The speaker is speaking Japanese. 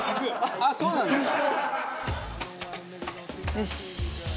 よし。